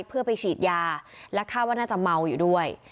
เพื่อไปฉีดยาและคาดว่าน่าจะเมาอยู่ด้วย